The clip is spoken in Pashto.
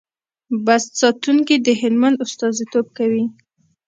بست ساتونکي د هلمند استازیتوب کوي.